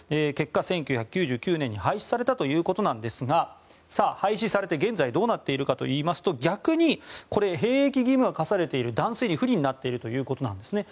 結果、１９９９年に廃止されたということですが廃止されて現在どうなっているかといいますと逆に兵役義務が課されている男性に不利になっているということです